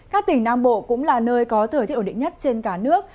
các tỉnh nam bộ cũng là nơi có thời tiết ổn định nhất trên cả nước